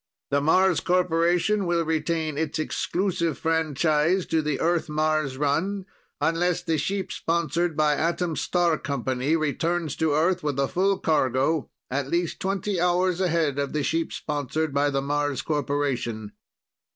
The Mars Corporation will retain its exclusive franchise to the Earth Mars run, unless the ship sponsored by the Atom Star Company returns to Earth with full cargo at least twenty hours ahead of the ship sponsored by the Mars Corporation.